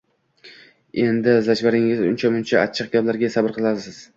endi zavjangizning uncha-muncha achchiq gaplariga sabr qilasiz.